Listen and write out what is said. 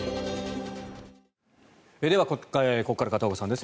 ではここから片岡さんです。